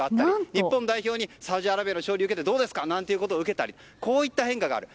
日本代表にサウジアラビアへの勝利を受けてどうですかなんて言うことを受けたりこういった変化がある。